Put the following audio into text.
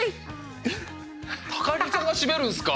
高木さんが締めるんすか。